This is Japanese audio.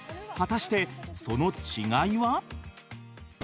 果たしてその違いは？